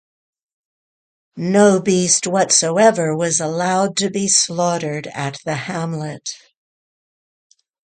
No beast whatsoever was allowed to be slaughtered at the hamlet.